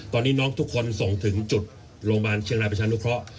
ตอนนี้น้องทุกคนส่งถึงจุดโรงพยาบาลเชียงรายประชานุเคราะห์